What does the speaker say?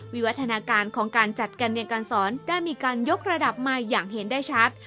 วิวัฒนาการของการจัดการเรียนการสอนได้มีการยกระดับใหม่อย่างเห็นได้ชัด